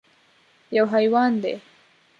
_يو حيوان دی.